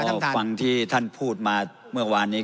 เราฟังที่ท่านพูดมาเมื่อวานนี้